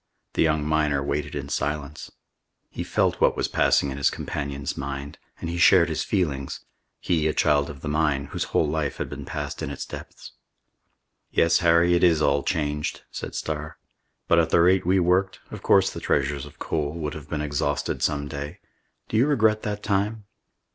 The young miner waited in silence. He felt what was passing in his companion's mind, and he shared his feelings; he, a child of the mine, whose whole life had been passed in its depths. "Yes, Harry, it is all changed," said Starr. "But at the rate we worked, of course the treasures of coal would have been exhausted some day. Do you regret that time?"